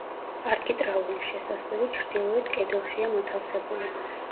არქიტრავული შესასვლელი ჩრდილოეთ კედელშია მოთავსებული.